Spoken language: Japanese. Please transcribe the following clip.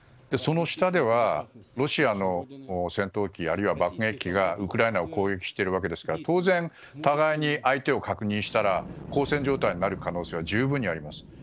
その下ではロシアの戦闘機あるいは爆撃機がウクライナを攻撃しているわけですから当然、互いに相手を確認したら交戦状態になる可能性は十分にあります。